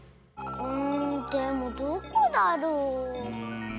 んでもどこだろう？